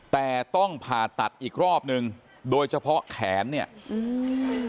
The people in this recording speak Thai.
แต่ต้องผ่าตัดอีกรอบหนึ่งโดยเฉพาะแขนเนี้ยอืม